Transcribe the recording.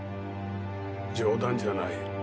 冗談じゃない。